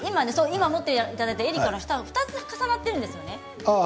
今持っていただいたエリカの下２つ重なっているんですね。